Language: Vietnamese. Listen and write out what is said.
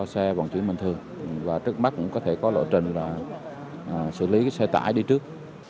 xe bằng chuyến bình thường và trước mắt cũng có thể có lộ trần là xử lý cái xe tải đi trước